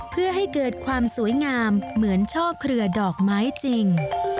เพื่อให้เกิดความสวยงามเหมือนช่อเครือดอกไม้จริง